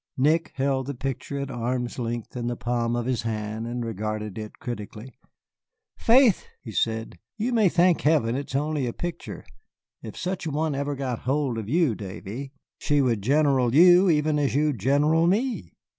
Nick held the picture at arm's length in the palm of his hand and regarded it critically. "Faith," said he, "you may thank heaven it is only a picture. If such a one ever got hold of you, Davy, she would general you even as you general me.